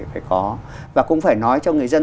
phải có và cũng phải nói cho người dân